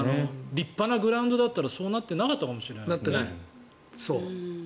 立派なグラウンドだったらそうなってなかったかもしれないよね。